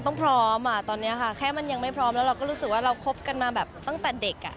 พร้อมอ่ะตอนนี้ค่ะแค่มันยังไม่พร้อมแล้วเราก็รู้สึกว่าเราคบกันมาแบบตั้งแต่เด็กอ่ะ